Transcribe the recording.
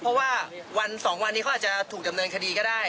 เพราะว่าวัน๒วันนี้เขาอาจจะถูกดำเนินคดีก็ได้